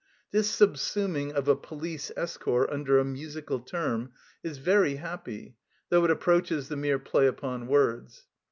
This subsuming of a police escort under a musical term is very happy, though it approaches the mere play upon words.